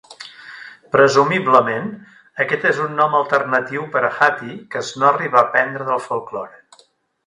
Presumiblement, aquest és un nom alternatiu per a Hati que Snorri va prendre del folklore.